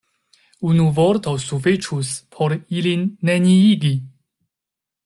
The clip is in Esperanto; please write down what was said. Unu vorto sufiĉus por ilin neniigi.